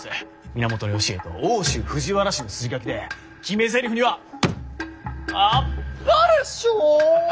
源義家と奥州藤原氏の筋書きで決めぜりふには「あっぱれ将軍！」と入れよう。